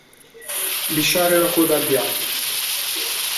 Lisciare la coda al diavolo.